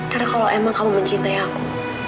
karena kalau emang kamu mencintai aku